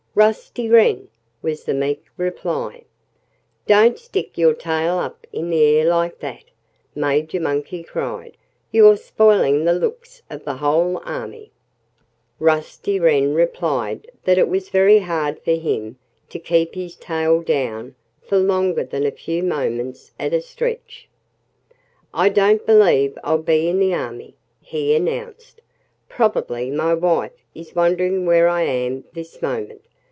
"Rusty Wren!" was the meek reply. "Don't stick your tail up in the air like that!" Major Monkey cried. "You're spoiling the looks of the whole army." Rusty Wren replied that it was very hard for him to keep his tail down for longer than a few moments at a stretch. "I don't believe I'll be in the army," he announced. "Probably my wife is wondering where I am this moment.